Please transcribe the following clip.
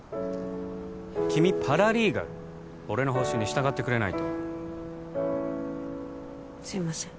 君パラリーガル俺の方針に従ってくれないとすいません